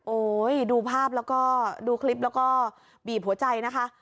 ดูภาพแล้วก็ดูคลิปแล้วก็บีบหัวใจนะคะ